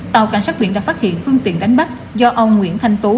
tàu cảnh sát biển đã phát hiện phương tiện đánh bắt do ông nguyễn thanh tú